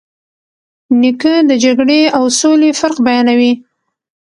نیکه د جګړې او سولې فرق بیانوي.